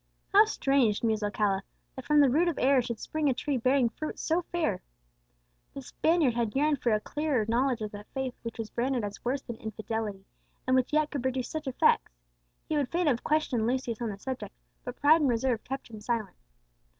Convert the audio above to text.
"How strange," mused Alcala, "that from the root of error should spring a tree bearing fruits so fair!" The Spaniard had yearned for a clearer knowledge of that faith which was branded as worse than infidelity, and which yet could produce such effects. He would fain have questioned Lucius on the subject, but pride and reserve kept him silent.